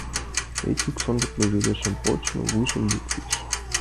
Эчук, сондык леведышым почын, вуйжым луктеш.